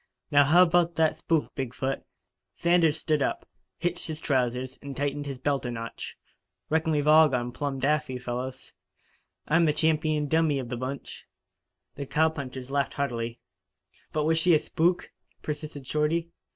"Now how about that spook, Big foot?" Sanders stood up, hitched his trousers and tightened his belt a notch. "Reckon we've all gone plumb daffy, fellows. I'm the champeen dummy of the bunch." The cowpunchers laughed heartily. "But was she a spook?" persisted Shorty.